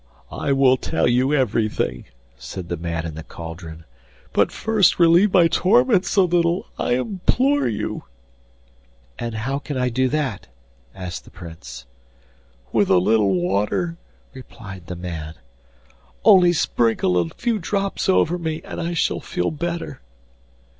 'I will tell you everything,' said the man in the cauldron; 'but first relieve my torments a little, I implore you.' 'And how can I do that?' asked the Prince. 'With a little water,' replied the man; 'only sprinkle a few drops over me and I shall feel better.